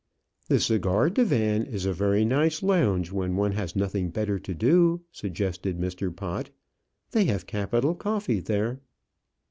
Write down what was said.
"The cigar divan is a very nice lounge when one has nothing better to do," suggested Mr. Pott. "They have capital coffee there."